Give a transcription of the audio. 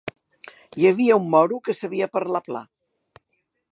Hi havia un moro que sabia parlar pla.